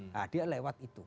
nah dia lewat itu